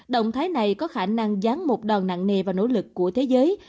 động thái này có khả năng dán một đòn nặng nề vào nỗ lực của thế giới